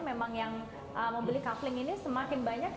memang yang membeli kapling ini semakin banyak